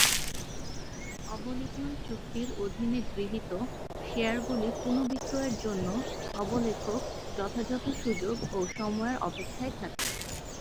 অবলিখন চুক্তির অধীনে গৃহীত শেয়ারগুলি পুনঃবিক্রয়ের জন্য অবলেখক যথাযথ সুযোগ ও সময়ের অপেক্ষায় থাকে।